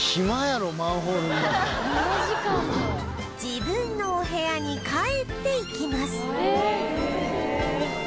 自分のお部屋に帰っていきます